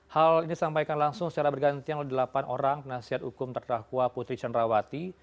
hal ini disampaikan langsung secara bergantian oleh delapan orang penasihat hukum terdakwa putri cenrawati